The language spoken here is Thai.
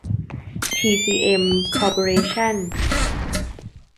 ทีซีเอ็ม คอร์ปอเรชั่น